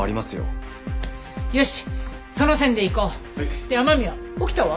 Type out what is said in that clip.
って雨宮沖田は？